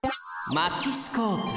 マチスコープ。